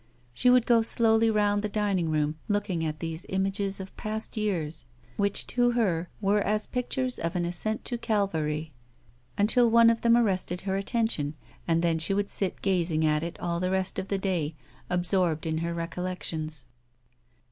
She would go slowly round the dining room looking at these images of past years, which, to her, were as pictures of an ascent to 244 A WOMAN'S LIFE. Calvary, until one of them arrested her attention and then she would 8it gazing at it all the rest of the day, absorbed in her recollections.